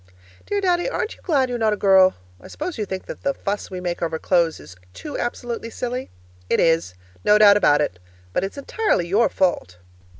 Dear Daddy, aren't you glad you're not a girl? I suppose you think that the fuss we make over clothes is too absolutely silly? It is. No doubt about it. But it's entirely your fault.